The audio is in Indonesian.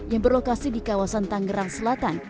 yang berlokasi di kawasan tangerang selatan